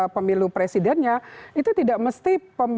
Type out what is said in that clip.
pemilu presidennya itu tidak mesti